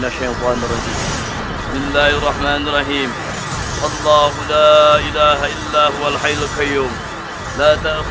assalamualaikum warahmatullahi wabarakatuh